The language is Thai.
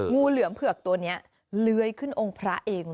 งูเหลือมเผือกตัวนี้เลื้อยขึ้นองค์พระเอง